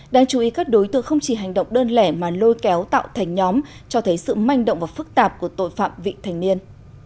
đáng chú ý các đối tượng không chỉ hành động đơn lẻ mà lôi kéo tạo thành nhóm cho thấy sự manh động và phức tạp của tội phạm vị thành niên